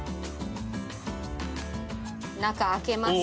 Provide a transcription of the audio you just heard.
中開けます。